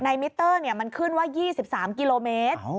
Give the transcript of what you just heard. มิเตอร์มันขึ้นว่า๒๓กิโลเมตร